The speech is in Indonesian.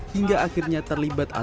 hingga akhirnya terlibat adu